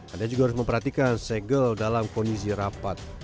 anda juga harus memperhatikan segel dalam kondisi rapat